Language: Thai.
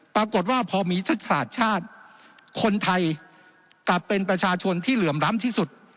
ปรากฏว่าพอมีทักษาชาติคนไทยกลับเป็นประชาชนที่เหลื่อมล้ำที่สุด